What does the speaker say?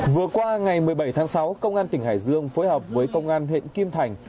vừa qua ngày một mươi bảy tháng sáu công an tỉnh hải dương phối hợp với công an huyện kim thành